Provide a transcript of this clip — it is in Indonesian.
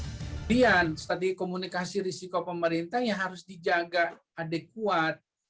kemudian setelah dikomunikasi risiko pemerintah yang harus dijaga adekuat